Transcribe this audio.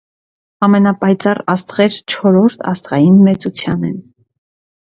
Ամենապայծառ աստղեր չորրորդ աստղային մեծության են։